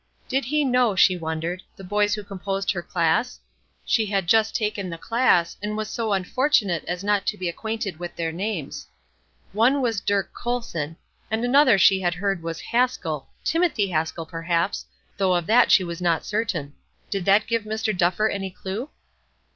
Did he know, she wondered, the boys who composed her class? She had just taken the class, and was so unfortunate as not to be acquainted with their names. One was Dirk Colson, and another she had heard was Haskell Timothy Haskell, perhaps, though of that she was not certain. Did that give Mr. Duffer any clue?